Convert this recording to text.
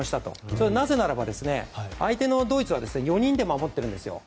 それはなぜならば相手のドイツは４人で守っているんですよ。